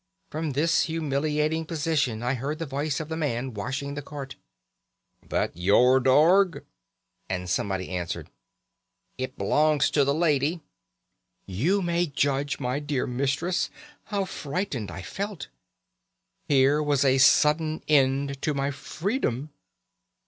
From this humiliating position I heard the voice of the man washing the cart: "'That your dorg?' And someone answered, 'It belongs to the lady.' "You may judge, my dear mistress, how frightened I felt. Here was a sudden end to my freedom!